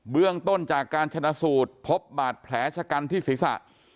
เบื้องต้นจากการชนสูตรพบบาดแผลชะกันที่ศิษย์ศาสตร์